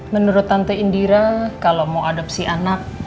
menurut tante indira kalau mau adopsi anak